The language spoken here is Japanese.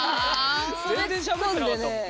全然しゃべってなかったもん。